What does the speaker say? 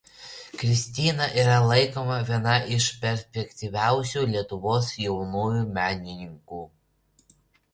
Kristina yra laikoma viena iš perspektyviausių Lietuvos jaunųjų menininkų.